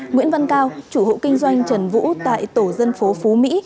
nguyễn văn cao chủ hộ kinh doanh trần vũ tại tổ dân phố phú mỹ